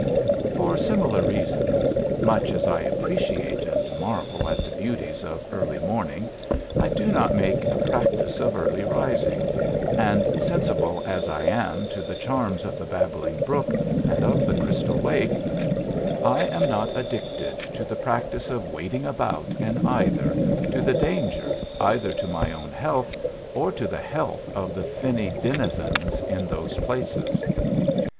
For similar reasons, much as I appreciate and marvel at the beauties of early morning, I do not make a practice of early rising, and sensible as I am to the charms of the babbling brook and of the crystal lake, I am not addicted to the practice of wading about in either to the danger either to my own health or to the health of the finny denizens in those places.